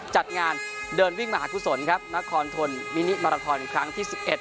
จัดงานเดินวิ่งมหากุศลครับนครทนมินิมาราทอนครั้งที่๑๑